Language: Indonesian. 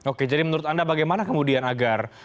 oke jadi menurut anda bagaimana kemudian agar